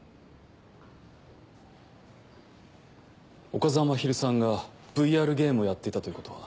岡澤まひるさんがＶＲゲームをやっていたということは？